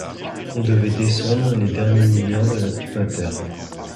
On devait descendre les derniers mineurs de la coupe à terre.